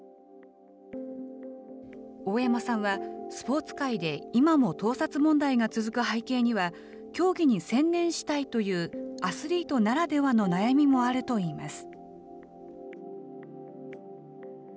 大山さんは、スポーツ界で今も盗撮問題が続く背景には、競技に専念したいというアスリートならではの悩みもあるといいます。